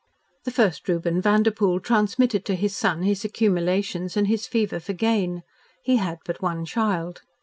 The first Reuben Vanderpoel transmitted to his son his accumulations and his fever for gain. He had but one child.